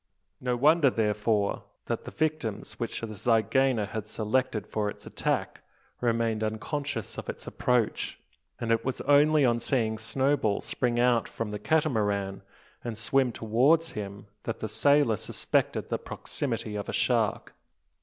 No wonder, therefore, that the victims which the zygaena had selected for its attack remained unconscious of its approach; and it was only on seeing Snowball spring out from the Catamaran, and swim towards him, that the sailor suspected the proximity of a shark.